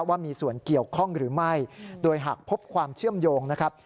ว่ามีส่วนเกี่ยวข้องหรือไม่โดยหากพบความเชื่อมโยงนะครับ